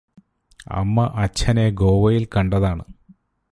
അമ്മ അച്ഛനെ ഗോവയിൽ കണ്ടതാണ്